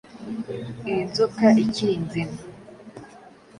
Iyi nzoka ikiri nzima